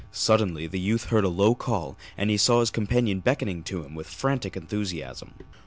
Suddenly the youth heard a low call and he saw his companion beckoning to him with frantic enthusiasm.